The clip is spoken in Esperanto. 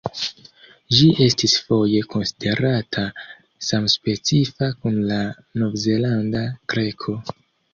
Ĝi estis foje konsiderata samspecifa kun la Novzelanda kreko.